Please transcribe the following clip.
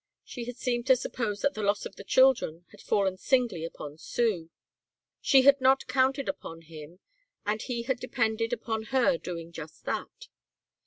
She had seemed to suppose that the loss of the children had fallen singly upon Sue. She had not counted upon him, and he had depended upon her doing just that.